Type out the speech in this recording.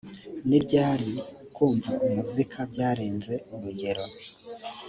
ni ryari kumva umuzika byarenza urugero